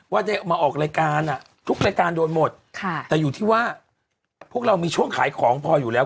ว่าได้มาออกรายการอ่ะทุกรายการโดนหมดแต่อยู่ที่ว่าพวกเรามีช่วงขายของพออยู่แล้ว